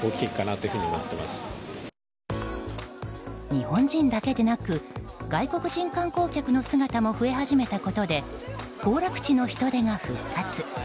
日本人だけでなく外国人観光客の姿も増え始めたことで行楽地の人出が復活。